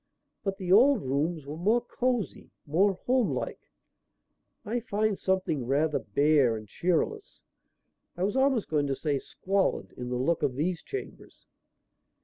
But the old rooms were more cosy, more homelike. I find something rather bare and cheerless, I was almost going to say squalid, in the look of these chambers."